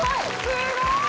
すごい！